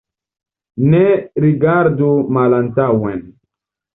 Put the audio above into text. Ne rigardu malantaŭen.